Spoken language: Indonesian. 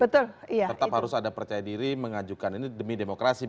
tetap harus ada percaya diri mengajukan ini demi demokrasi